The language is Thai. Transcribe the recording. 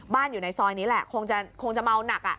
อยู่ในซอยนี้แหละคงจะเมาหนัก